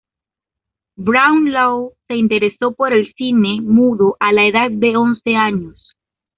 Brownlow se interesó por el cine mudo a la edad de once años.